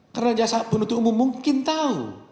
karena saksi penuntut umum mungkin tahu